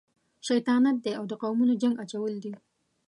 شیطانت دی او د قومونو جنګ اچول دي.